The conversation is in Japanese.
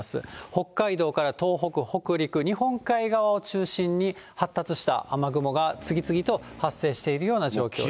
北海道から東北、北陸、日本海側を中心に、発達した雨雲が次々と発生しているような状況です。